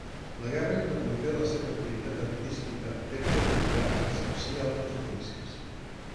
La guerra interrompé la seva activitat artística, fet que l'obligà a exercir altres oficis.